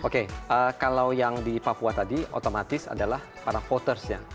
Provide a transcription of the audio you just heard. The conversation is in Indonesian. oke kalau yang di papua tadi otomatis adalah para votersnya